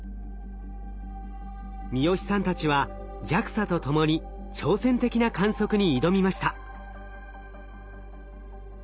三好さんたちはＪＡＸＡとともに挑戦的な観測に挑みました。